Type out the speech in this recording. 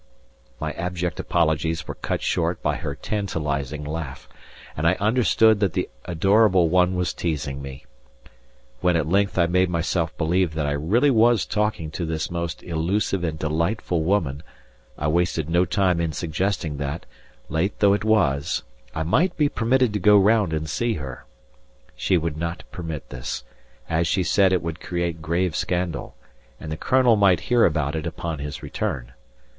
My abject apologies were cut short by her tantalizing laugh, and I understood that the adorable one was teasing me. When at length I made myself believe that I really was talking to this most elusive and delightful woman I wasted no time in suggesting that, late though it was, I might be permitted to go round and see her. She would not permit this, as she said it would create grave scandal, and the Colonel might hear about it upon his return.